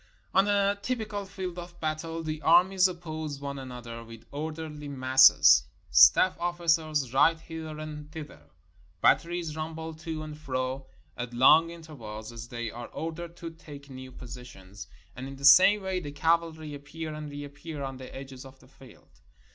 On a typical field of battle the armies oppose one an other with orderly masses. Staff ofiicers ride hither and thither. Batteries rumble to and fro at long intervals, as they are ordered to take new positions, and in the same way the cavalry appear and reappear on the edges of the field.